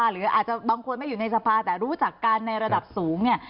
หรืออาจจะบางคนไม่อยู่ในทรัพย์แต่รู้จักกันในระดับสูง